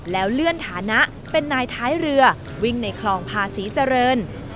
แล้วเลื่อนฐานะเป็นนายท้ายเรือวิ่งในคลองภาษีเจริญ